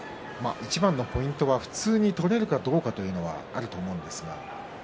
いちばんのポイントは普通に取れるかどうかというのがあると思うんですが。